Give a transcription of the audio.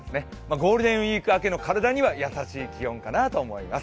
ゴールデンウイーク明けの気温としては体に優しい気温かなと思います。